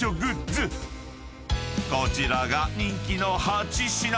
［こちらが人気の８品］